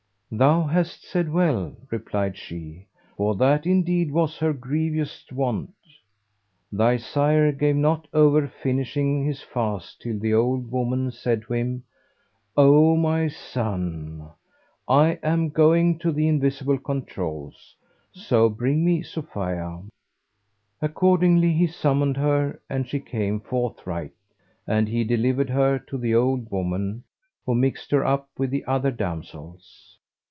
'Thou hast said well,' replied she; 'for that indeed was her grievousest want.' Thy sire gave not over finishing his fast till the old woman said to him, 'O my son, I am going to the Invisible Controuls; so bring me Sophia.' Accordingly, he summoned her and she came forthright, and he delivered her to the old woman who mixed her up with the other damsels.